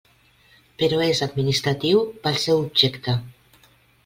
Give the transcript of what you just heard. Però és administratiu pel seu objecte.